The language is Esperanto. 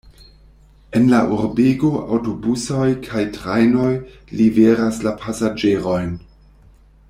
En la urbego aŭtobusoj kaj trajnoj liveras la pasaĝerojn.